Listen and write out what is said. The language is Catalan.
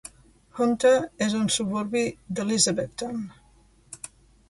Hunter és un suburbi d'Elizabethton.